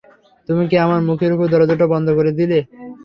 তুমি কি আমার মুখের উপর দরজাটা বন্ধ করে দিলে?